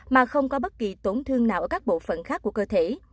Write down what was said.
mà không có bất kỳ tổn thương nào ở các bộ phận khác của cơ thể